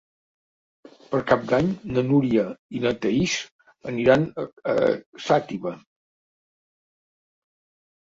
Per Cap d'Any na Núria i na Thaís aniran a Xàtiva.